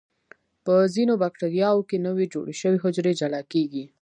په ځینو بکټریاوو کې نوي جوړ شوي حجرې جلا کیږي.